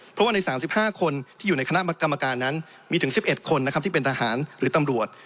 เพราะว่าใน๓๕คนที่อยู่ในคณะกรรมการนั้นมีถึง๑๑คนนะครับที่เป็นทหารหรือตำรวจ